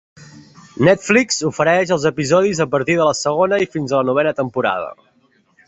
Netflix ofereix els episodis a partir de la segona i fins a la novena temporada.